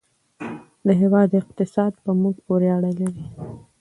د هېواد اقتصاد په موږ پورې اړه لري.